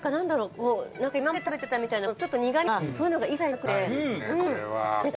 もう今まで食べてたみたいなちょっと苦みとかそういうのが一切なくて。